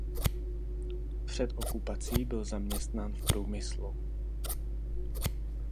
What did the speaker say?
Před okupací byl zaměstnán v průmyslu.